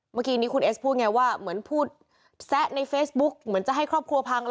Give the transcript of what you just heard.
เมื่อกี้นี้คุณเอสพูดไงว่าเหมือนพูดแซะในเฟซบุ๊กเหมือนจะให้ครอบครัวพัง